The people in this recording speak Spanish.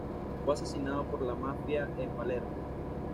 Fue asesinado por la Mafia en Palermo.